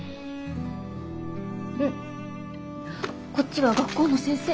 んっこっちは学校の先生。